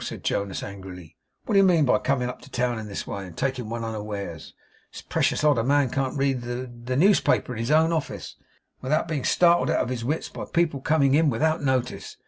said Jonas, angrily. 'What do you mean by coming up to town in this way, and taking one unawares? It's precious odd a man can't read the the newspaper in his own office without being startled out of his wits by people coming in without notice.